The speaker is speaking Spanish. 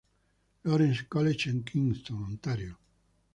Lawrence College en Kingston, Ontario.